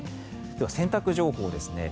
では、洗濯情報ですね。